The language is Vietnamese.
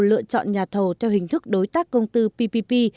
lựa chọn nhà thầu theo hình thức đối tác công tư ppp